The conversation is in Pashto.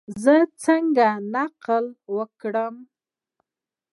زه څنګه نقل وکړم؟